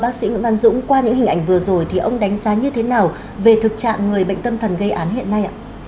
bác sĩ nguyễn văn dũng qua những hình ảnh vừa rồi thì ông đánh giá như thế nào về thực trạng người bệnh tâm thần gây án hiện nay ạ